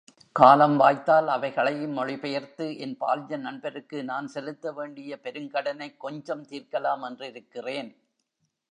காலம் வாய்த்தால் அவைகளையும் மொழிபெயர்த்து என் பால்ய நண்பருக்கு நான் செலுத்த வேண்டிய பெருங்கடனைக் கொஞ்சம் தீர்க்கலாமென்றிருக்கிறேன்.